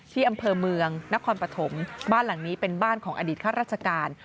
ที่อำเภอเมืองนครปฐมบ้านหลังนี้เป็นบ้านของอดีตข้าราชการ